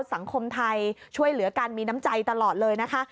สังคมไทยช่วยเหลือกันมีน้ำใจตลอดเลยนะคะ